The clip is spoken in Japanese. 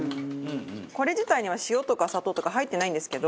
これ自体には塩とか砂糖とか入ってないんですけど。